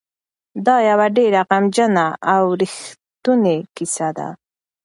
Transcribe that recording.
دا یوه ډېره غمجنه او رښتونې کیسه ده.